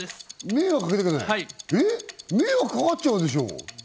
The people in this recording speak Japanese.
迷惑かかっちゃうでしょ。